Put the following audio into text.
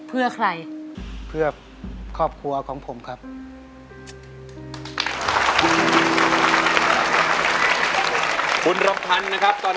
เพื่อครอบครัวของผมครับ